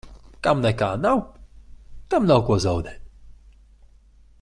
Kam nekā nav, tam nav ko zaudēt.